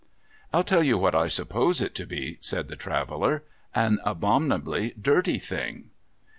' I'll tell you what I suppose it to he,' said the Traveller. ' An abominably dirty thing.'